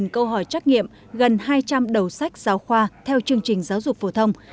một mươi câu hỏi trắc nghiệm gần hai trăm linh đầu sách giáo khoa theo chương trình giáo dục phổ thông